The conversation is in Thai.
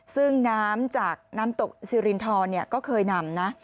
ซึ่งน้ำจากน้ำตกซีรินทรก็เคยนำนะ